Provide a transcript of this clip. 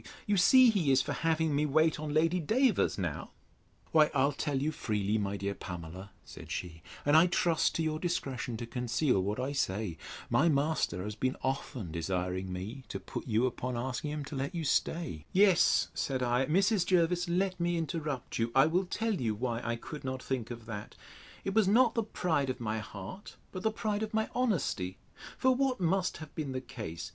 You see he is for having me wait on Lady Davers now. Why, I'll tell you freely, my dear Pamela, said she, and I trust to your discretion to conceal what I say: my master has been often desiring me to put you upon asking him to let you stay—— Yes, said I, Mrs. Jervis, let me interrupt you: I will tell you why I could not think of that: It was not the pride of my heart, but the pride of my honesty: For what must have been the case?